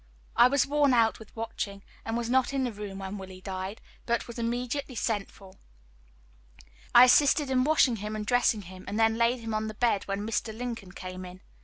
I was worn out with watching, and was not in the room when Willie died, but was immediately sent for. I assisted in washing him and dressing him, and then laid him on the bed, when Mr. Lincoln came in.